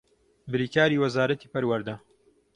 بریکاری وەزارەتی پەروەردە